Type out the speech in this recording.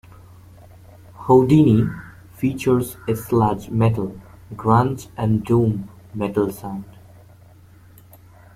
"Houdini" features a sludge metal, grunge and doom metal sound.